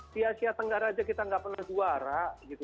di asia tenggara saja kita tidak pernah juara